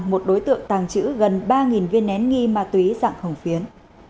một đối tượng tàng trữ gần ba viên nén nghi ma túy dạng hồng phiến